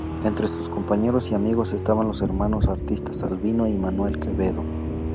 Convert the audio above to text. Entre sus compañeros y amigos estaban los hermanos artistas Albino y Manuel Quevedo.